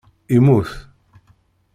Immut.